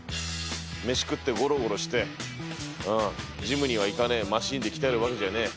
飯食ってごろごろして、うん、ジムには行かねぇ、マシンで鍛えるわけじゃねぇ。